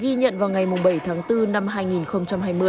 ghi nhận vào ngày bảy tháng bốn năm hai nghìn hai mươi